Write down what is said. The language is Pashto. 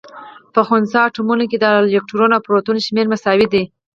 په خنثا اتومونو کي د الکترون او پروتون شمېر مساوي. دی